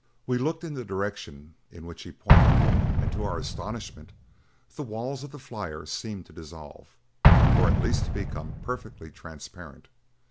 We looked in the direction in which he pointed; to our astonishment, the walls of the flyer seemed to dissolve, or at least to become perfectly transparent.